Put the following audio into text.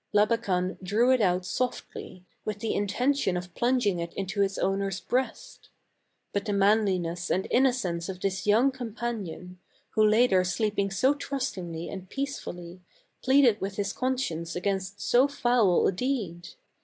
La bakan drew it out softly, with the intention of plunging it into its owner's breast. But the manliness and innocence of this young companion, who lay there sleeping so trustingly and peace fully, pleaded with his conscience against so foul a deed.